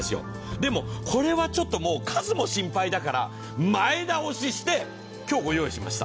でも、これはちょっともう数も心配だから前倒しして、今日ご用意しました。